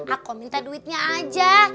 aku minta duitnya aja